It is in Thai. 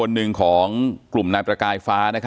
ต่อยอีกต่อยอีกต่อยอีกต่อยอีก